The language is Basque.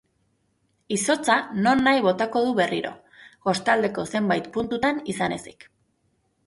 Izotza nonahi botako du berriro, kostaldeko zenbait puntutan izan ezik.